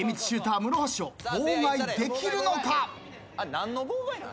・何の妨害なん？